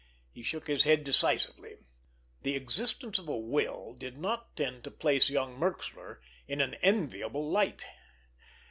He shook his head decisively. The existence of a will did not tend to place young Merxler in an enviable light.